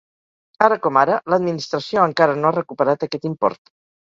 Ara com ara, l’administració encara no ha recuperat aquest import.